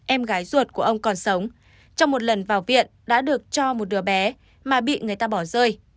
em gái ruột của ông còn sống trong một lần vào viện đã được cho một đứa bé mà bị người ta bỏ rơi